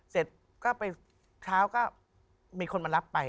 เสร็จก็ไปเช้าก็มีคนมารับไป